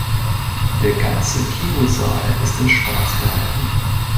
Der ganze Kinosaal ist in schwarz gehalten.